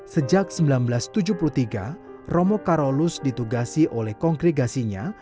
sejak seribu sembilan ratus tujuh puluh tiga romo karolus ditugasi oleh kongregasinya